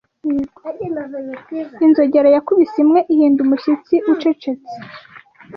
Inzogera yakubise imwe, ihinda umushyitsi ucecetse